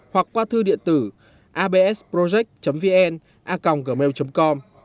hoặc qua thư điện tử absproject vn com